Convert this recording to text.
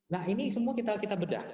nah ini semua kita bedah